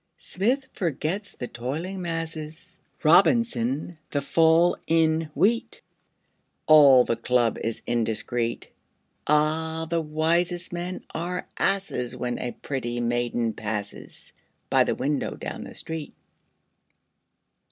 Smith forgets the "toiling masses," Robinson, the fall in wheat; All the club is indiscret. Ah, the wisest men are asses When a pretty maiden passes By the window down the street!